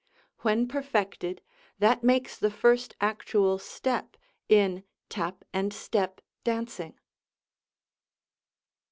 When perfected, that makes the first actual step in "Tap and Step" dancing.